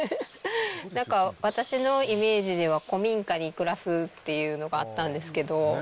なんか私のイメージでは、古民家に暮らすっていうのがあったんですけど。